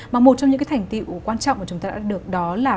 mà một trong những cái thành tiệu quan trọng mà chúng ta đã được đó là